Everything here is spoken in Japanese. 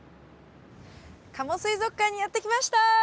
加茂水族館にやって来ました。